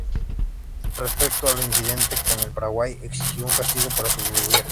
Respecto al incidente con el Paraguay, exigió un castigo para su gobierno.